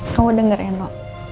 kamu dengerin no